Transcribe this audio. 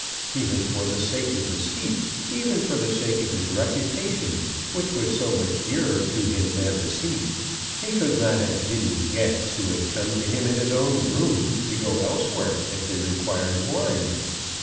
Even for the sake of the seat, even for the sake of his reputation, which was so much dearer to him than the seat, he could not have bidden guests, who had come to him in his own room, to go elsewhere if they required wine.